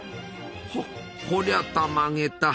こりゃたまげた。